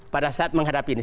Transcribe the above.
pada saat menghadapi ini